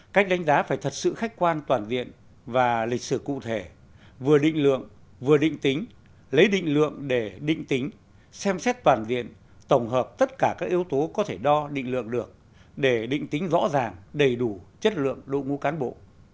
cách đánh giá phải thật sự khách quan toàn diện và lịch sử cụ thể vừa định lượng vừa định tính lấy định lượng để định tính xem xét toàn diện tổng hợp tất cả các yếu tố có thể đo định lượng được để định tính rõ ràng đầy đủ chất lượng đội ngũ cán bộ